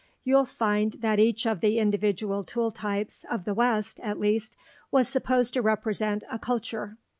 You'll find that each of the individual tool types, of the West, at least, was supposed to represent a "culture."